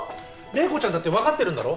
麗子ちゃんだって分かってるんだろ。